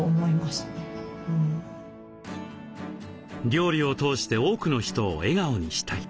料理を通して多くの人を笑顔にしたい。